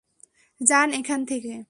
যান এখান থেকে!